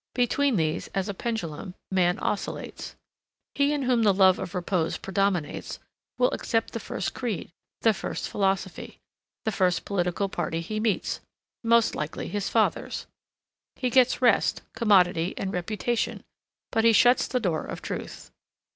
Between these, as a pendulum, man oscillates. He in whom the love of repose predominates will accept the first creed, the first philosophy, the first political party he meets,—most likely his father's. He gets rest, commodity, and reputation; but he shuts the door of truth.